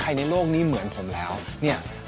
การปรักแบบนี้คือคุณก้ามปรักผ้ามาสักพัก